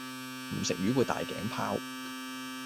唔食魚會大頸泡